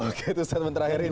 oke itu statement terakhir ini